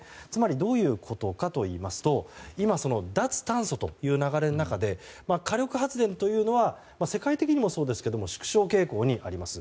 どういうことかというと今、脱炭素という流れの中で火力発電というのは世界的にもそうですが縮小傾向にあります。